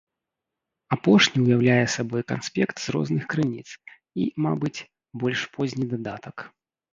Апошні ўяўляе сабой канспект з розных крыніц і, мабыць, больш позні дадатак.